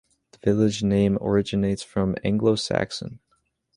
The village name originates from Anglo Saxon.